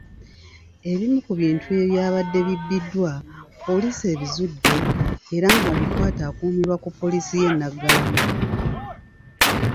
Ebimu ku bintu ebyabadde bibbiddwa poliisi ebizudde era ng'omukwate akuumirwa ku poliisi y'e Naggalama.